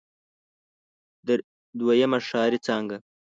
دويمه ښاري څانګه.